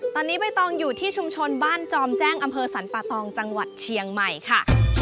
ตอนนี้ใบตองอยู่ที่ชุมชนบ้านจอมแจ้งอำเภอสรรปะตองจังหวัดเชียงใหม่ค่ะ